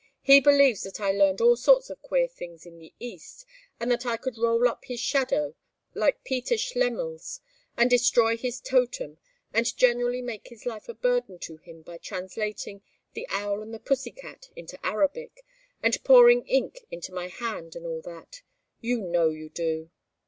He believes that I learned all sorts of queer things in the East, and that I could roll up his shadow, like Peter Schlemil's, and destroy his Totem, and generally make his life a burden to him by translating 'The Owl and the Pussy Cat' into Arabic, and pouring ink into my hand, and all that. You know you do."